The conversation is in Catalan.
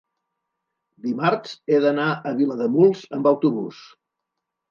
dimarts he d'anar a Vilademuls amb autobús.